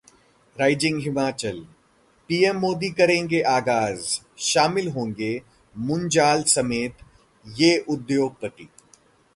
rising Himachal: PM Modi करेंगे आगाज, शामिल होंगे मुंजाल समेत ये उद्योगपति